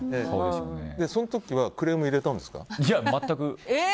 その時はクレーム入れたんですか。